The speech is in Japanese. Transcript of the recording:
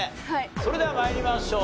それでは参りましょう。